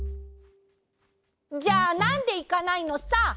じゃあなんでいかないのさ？